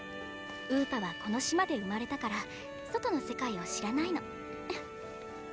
ウーパはこの島で生まれたから外の世界を知らないの。